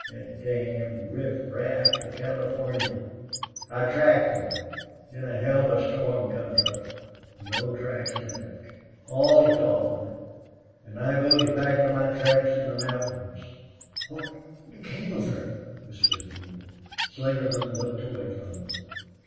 That damned riffraff out of Californy. I tracked 'em. Then a hell of a storm comes up. No tracks left! All's lost! An' I goes back to my traps in the mountains." "What became of her?" whispered Neale. Slingerland looked away from him.